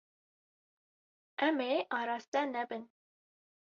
Em ê araste nebin.